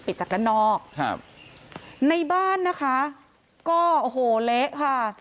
จากด้านนอกครับในบ้านนะคะก็โอ้โหเละค่ะ